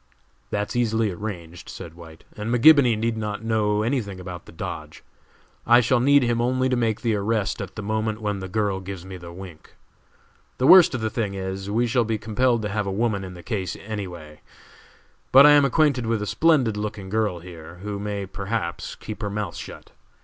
"That's easily arranged," said White, "and McGibony need not know any thing about the dodge. I shall need him only to make the arrest at the moment when the girl gives me the wink. The worst of the thing is, we shall be compelled to have a woman in the case any way; but I am acquainted with a splendid looking girl here, who may, perhaps, keep her mouth shut.